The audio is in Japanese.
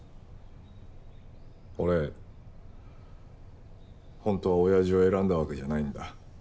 俺本当はおやじを選んだわけじゃないんだ。